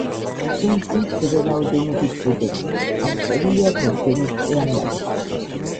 ჩვენში მცირე რაოდენობით ბუდობს, აღწერილია ბორჯომის ტყიან მასივში.